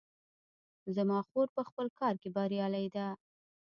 زما خور په خپل کار کې بریالۍ ده